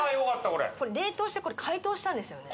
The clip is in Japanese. これこれ冷凍して解凍したんですよね